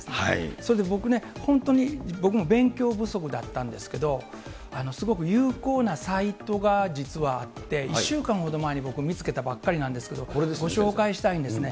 それで僕ね、本当に僕も勉強不足だったんですけど、すごく有効なサイトが実はあって、１週間ほど前に僕、見つけたばっかりなんですけど、ご紹介したいんですね。